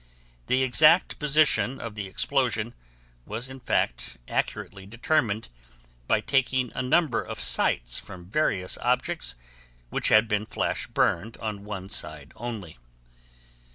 The exact position of the explosion was in fact accurately determined by taking a number of sights from various objects which had been flash burned on one side only.